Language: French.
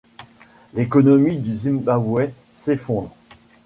L'économie du Zimbabwe s'effondre.